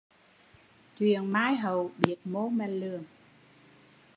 Chuyện mai hậu biết mô mà lường